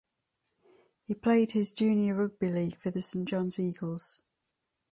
He played his junior rugby league for the St Johns Eagles.